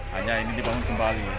hanya ini dibangun kembali